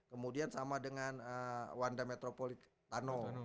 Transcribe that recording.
kemudian sama dengan wanda metropolit tano